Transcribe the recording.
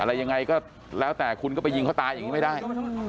อะไรยังไงก็แล้วแต่คุณก็ไปยิงเขาตายอย่างนี้ไม่ได้